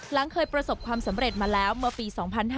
เคยประสบความสำเร็จมาแล้วเมื่อปี๒๕๕๙